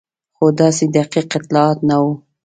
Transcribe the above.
خو داسې دقیق اطلاعات نه وو.